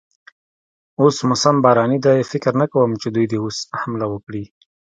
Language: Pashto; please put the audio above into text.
اوس موسم باراني دی، فکر نه کوم چې دوی دې اوس حمله وکړي.